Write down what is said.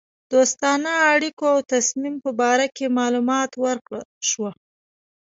دوستانه اړېکو او تصمیم په باره کې معلومات ورکړه شوه.